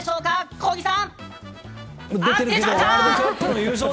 小木さん！